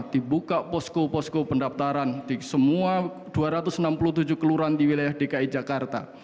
dibuka posko posko pendaftaran di semua dua ratus enam puluh tujuh kelurahan di wilayah dki jakarta